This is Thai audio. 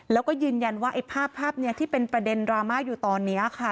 แล้วก็ยืนยันว่าไอ้ภาพภาพนี้ที่เป็นประเด็นดราม่าอยู่ตอนนี้ค่ะ